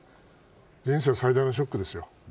人生最大のショックですよ。